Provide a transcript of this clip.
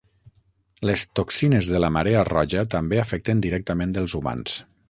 Les toxines de la marea roja també afecten directament els humans.